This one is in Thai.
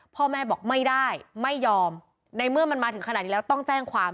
พ่อแม่บอกไม่ได้ไม่ยอมในเมื่อมันมาถึงขนาดนี้แล้วต้องแจ้งความ